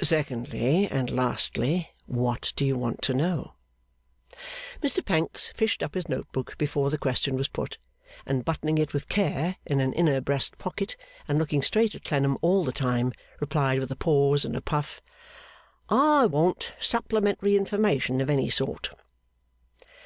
'Secondly, and lastly, what do you want to know?' Mr Pancks fished up his note book before the question was put, and buttoning it with care in an inner breast pocket, and looking straight at Clennam all the time, replied with a pause and a puff, 'I want supplementary information of any sort.